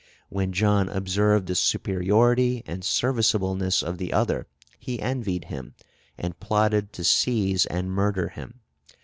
When John observed the superiority and serviceableness of the other, he envied him, and plotted to seize and murder him.